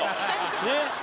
ねっ。